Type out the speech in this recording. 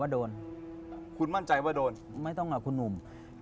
โดนไหม